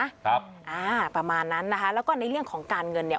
ครับอ่าประมาณนั้นนะคะแล้วก็ในเรื่องของการเงินเนี่ย